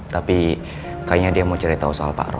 tapi kayaknya dia mau cerita soal pak roy